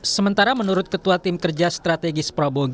sementara menurut ketua tim kerja strategis prabowo